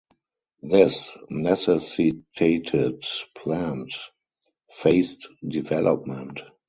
This necessitated planned, phased development.